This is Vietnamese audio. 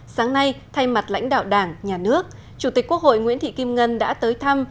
sáng nay thay mặt lãnh đạo đảng nhà nước chủ tịch quốc hội nguyễn thị kim ngân đã tới thăm